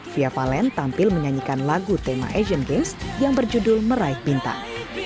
fia valen tampil menyanyikan lagu tema asian games yang berjudul meraih bintang